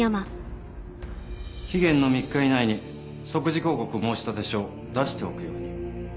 期限の３日以内に即時抗告申立書を出しておくように。